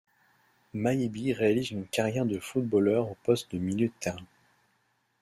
Mayebi réalise une carrière de footballeur au poste de milieu de terrain.